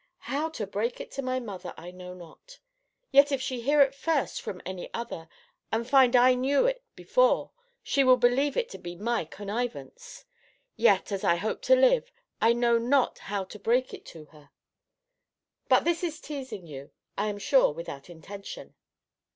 How to break it to my mother, I know not. Yet if she hear it first from any other, and find I knew it before, she will believe it to be my connivance! Yet, as I hope to live, I know not how to break it to her. But this is teasing you. I am sure, without intention.